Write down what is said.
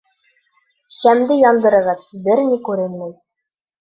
— Шәмде яндырығыҙ, бер ни күренмәй.